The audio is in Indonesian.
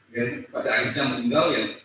dan pada akhirnya meninggal